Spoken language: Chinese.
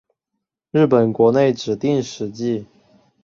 日本国内指定史迹。